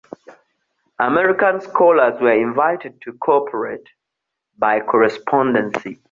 American scholars were invited to co-operate, by correspondence.